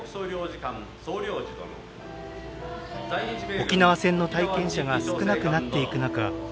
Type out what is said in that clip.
沖縄戦の体験者が少なくなっていく中